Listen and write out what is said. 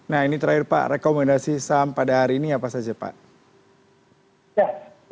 nah ini terakhir pak rekomendasi saham pada hari ini apa saja pak